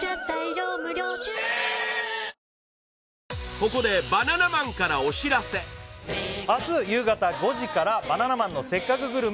ここで明日夕方５時から「バナナマンのせっかくグルメ！！」